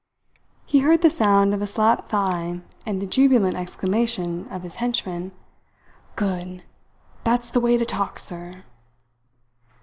He heard the sound of a slapped thigh and the jubilant exclamation of his henchman: "Good! That's the way to talk, sir!"